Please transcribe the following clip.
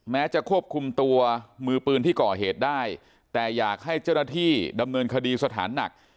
แม้จะควบคุมตัวมือปืนที่ก่อเหตุได้แต่อยากให้เจ้าหน้าที่ดำเนินคดีสถานหนัก